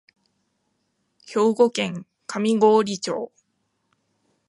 兵庫県上郡町